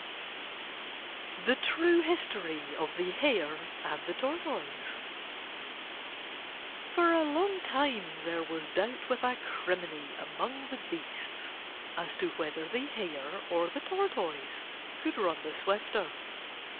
THE TRUE HISTORY OF THE HARE AND THE TORTOISE For a long time there was doubt with acrimony among the beasts as to whether the Hare or the Tortoise could run the swifter.